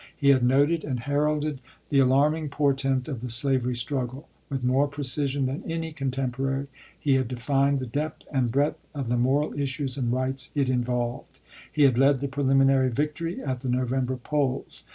He had noted and heralded the alarming portent of the slavery struggle. With more precision than any contemporary, he had defined the depth and breadth of the moral issues and rights it involved ; he had led the preliminary victory at the Novem ber polls.